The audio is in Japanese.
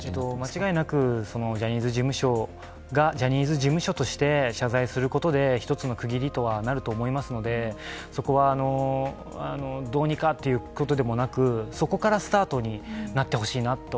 間違いなくジャニーズ事務所がジャニーズ事務所として謝罪することで一つの区切りとはなると思いますのでそこはどうにかということでもなく、そこからスタートになってほしいなと。